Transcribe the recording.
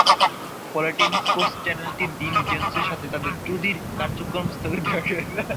ফলে Ten Sports চ্যানেলটি Dean জোন্সের সাথে তাদের চুক্তির কার্যক্রম স্থগিত রাখে।